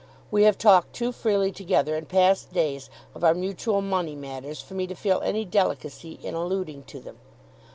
We have talked too freely together in past days of our mutual money matters for me to feel any delicacy in alluding to them.